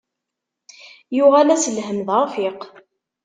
Yuɣal-as lhemm d arfiq.